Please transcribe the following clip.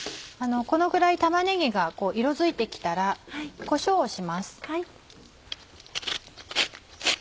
このぐらい玉ねぎが色づいて来たらこしょうをします。